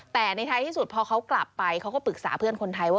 แต่ในท้ายที่สุดพอเขากลับไปเขาก็ปรึกษาเพื่อนคนไทยว่า